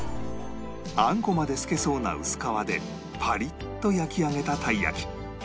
あんこまで透けそうな薄皮でパリッと焼き上げたたい焼き